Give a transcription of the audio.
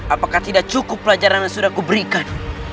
apakah tidak cukup pelajaran yang sudah kuberikan